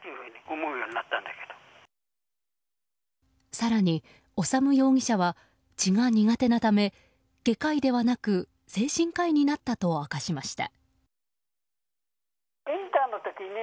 更に、修容疑者は血が苦手なため外科医ではなく精神科医になったと明かしました。